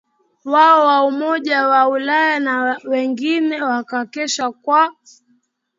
wao wa Umoja wa Ulaya na wengine wakakesha kwa